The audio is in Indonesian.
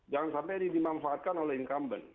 jangan sampai ini dimanfaatkan oleh incumbent